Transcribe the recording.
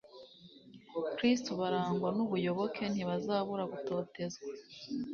kristu, barangwa n'ubuyoboke, ntibazabura gutotezwa